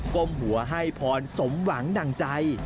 ก้มหัวให้พรสมหวังดั่งใจ